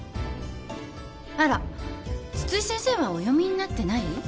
あら津々井先生はお読みになってない？